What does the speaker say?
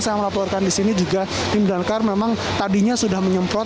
saya melaporkan di sini juga tim damkar memang tadinya sudah menyemprot